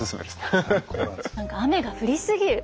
何か「雨が降りすぎる」